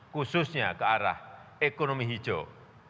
khususnya ke arah ekonomi hijau